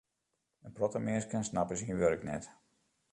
In protte minsken snappe syn wurk net.